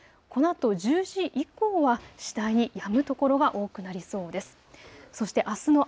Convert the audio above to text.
このあと１０時以降は次第にやむ所が多くなりそうです。